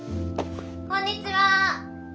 ・こんにちは！